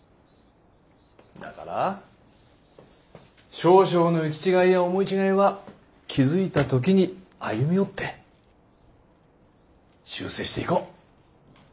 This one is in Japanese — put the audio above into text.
だから少々の行き違いや思い違いは気付いた時に歩み寄って修正していこう。